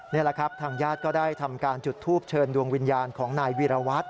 นี่แหละครับทางญาติก็ได้ทำการจุดทูปเชิญดวงวิญญาณของนายวีรวัตร